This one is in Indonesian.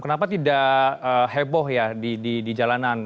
kenapa tidak heboh ya di jalanan